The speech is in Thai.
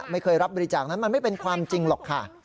ไม่เคยรับบริจาคนั้นมันไม่เป็นความจริงหรอกค่ะ